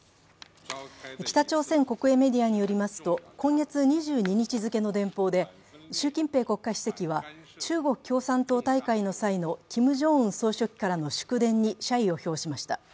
北朝鮮国営メディアによりますと今月２２日付の電報で習近平国家主席は中国共産党大会の際のキム・ジョンウン総書記からの祝電に謝意を表しました。